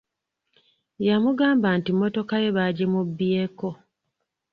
Yamugamba nti mmotoka ye baagimubbyeko.